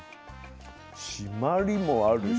締まりもあるし